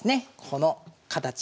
この形。